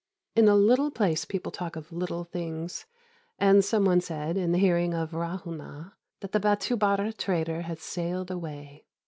In a little place people talk of little things, and some one said, in the hearing of Ra'ûnah, that the Bâtu Bâra trader had sailed away.